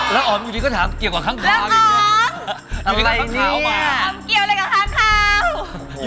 แล้วอ๋อมอยู่ที่ก็ถามเกี่ยวกับท่างข้าวอะไรเนี้ย